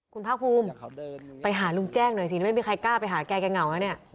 คุณภาคภูมิไปหาลุงแจ้งหน่อยสิไม่มีใครกล้าไปหาแกเหงานะเนี่ย